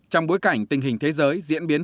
trong bối cảnh tình hình thế giới diễn biến